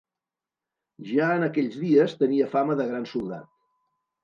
Ja en aquells dies tenia fama de gran soldat.